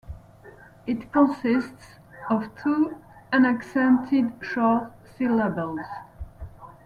It consists of two unaccented, short syllables.